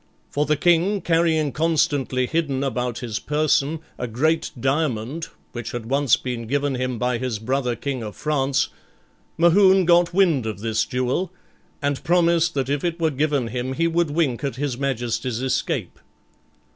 For the King, carrying constantly hidden about his person a great diamond which had once been given him by his brother King of France, Mohune got wind of this jewel, and promised that if it were given him he would wink at His Majesty's escape.